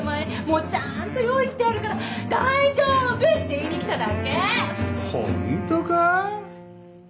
もうちゃんと用意してあるから大丈夫って言いに来ただけ！ホントか？